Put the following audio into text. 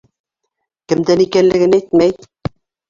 Кемдән икәнлеген әйтмәй!